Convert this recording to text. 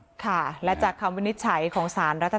การสืบทอดอำนาจของขอสอชอและยังพร้อมจะเป็นนายกรัฐมนตรี